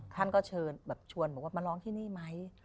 ท่านก็เชิญแบบชวนบอกว่ามาร้องที่นี่ไหม